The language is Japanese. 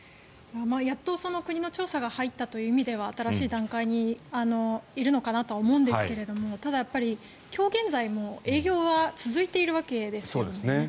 やっと国の調査が入ったという意味では新しい段階にいるのかなとは思うんですけどもただ、今日現在も営業は続いているわけですよね。